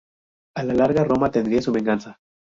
A la larga, Roma tendría su venganza.